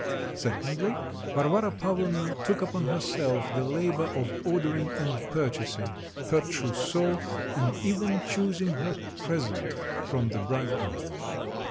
Secondly, Varvara Pavlovna took upon herself the labour of ordering and purchasing her trousseau and even choosing her present from the bridegroom.